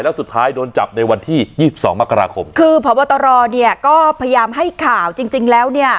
แล้วสุดท้ายโดนจับในวันที่ยี่สิบสองมกราคมคือพบตรเนี่ยก็พยายามให้ข่าวจริงจริงแล้วเนี่ย